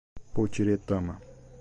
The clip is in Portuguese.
Potiretama